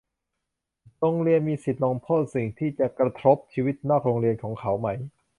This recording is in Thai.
โรงเรียนมีสิทธิลงโทษสิ่งที่จะกระทบชีวิตนอกโรงเรียนของเขาไหม ?